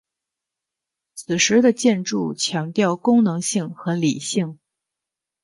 此时的建筑强调功能性和理性。